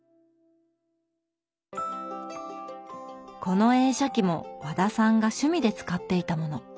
この映写機も和田さんが趣味で使っていたもの。